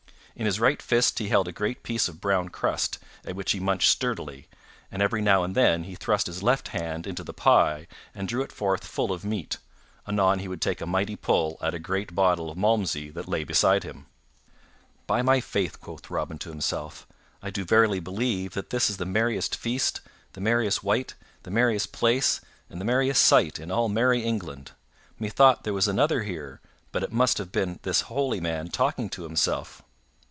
In his right fist he held a great piece of brown crust at which he munched sturdily, and every now and then he thrust his left hand into the pie and drew it forth full of meat; anon he would take a mighty pull at a great bottle of Malmsey that lay beside him. "By my faith," quoth Robin to himself, "I do verily believe that this is the merriest feast, the merriest wight, the merriest place, and the merriest sight in all merry England. Methought there was another here, but it must have been this holy man talking to himself."